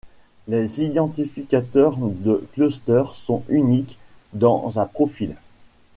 Les identificateurs de clusters sont uniques dans un profil.